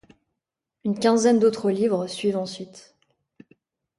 Une quinzaine d'autres livres suivent ensuite.